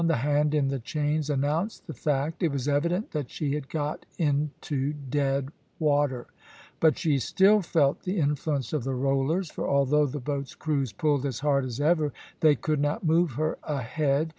The hand in the chains announced the fact. It was evident that she had got into dead water, but she still felt the influence of the rollers; for although the boat's crews pulled as hard as ever, they could not move her ahead.